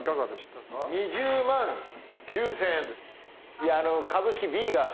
いやあの株式Ｂが。